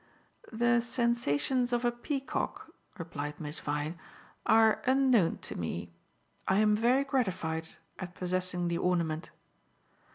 "The sensations of a peacock," replied Miss Vyne, "are unknown to me. I am very gratified at possessing the ornament."